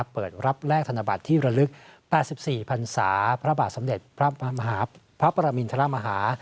เปิดรับแลกธนบัตรที่ระลึก๘๔พันศาพระบาทสมเด็จพระปรมินทรมาฮา